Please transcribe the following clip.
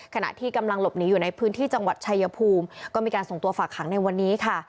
ขณะที่กำลังหลบหนีอยู่ในพื้นที่จังหวัดชายภูมิก็มีการส่งตัวฝากขังในวันนี้ค่ะ